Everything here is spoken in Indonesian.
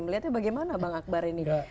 melihatnya bagaimana bang akbar ini